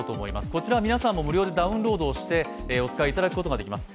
こちらは皆さんも無料でダウンロードしてお使いいただくことができます。